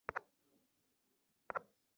এইরকম লেখা যাবে না।